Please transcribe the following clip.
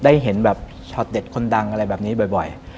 ได้เห็นแบบช็อตเด็ดคนดังอะไรแบบนี้บ่อย